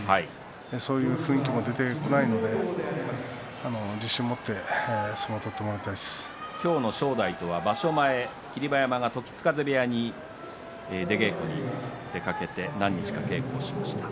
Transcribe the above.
そういう雰囲気も出てこないので自信を持って今日の正代とは時津風部屋に出稽古に行って何日か稽古をしました。